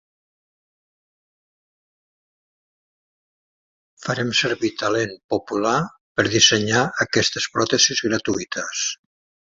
Farem servir talent popular per dissenyar aquestes pròtesis gratuïtes.